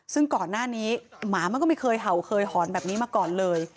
ซึ่งก่อนหน้านี้หมามันก็ไม่เคยเห่าเคยหอนแบบนี้มาก่อนเลย